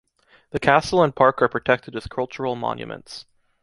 The castle and park are protected as cultural monuments.